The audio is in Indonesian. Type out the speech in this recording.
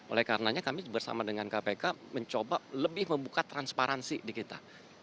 oleh karenanya kami bersama dengan kpk mencoba lebih membuka transparansi di kita